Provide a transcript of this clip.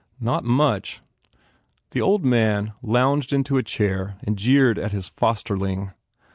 "Not much!" The old man lounged into a chair and jeered at his fosterling.